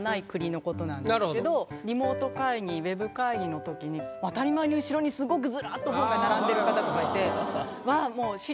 リモート会議ウェブ会議の時に当たり前に後ろにすごくずらっと本が並んでる方とかいてうわ